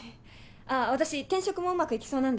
ああ私転職もうまくいきそうなんだ。